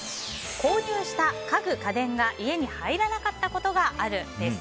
購入した家具・家電が家に入らなかったことがあるです。